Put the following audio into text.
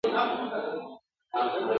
خپل مال بزگر ته پرېږده، پر خداى ئې وسپاره.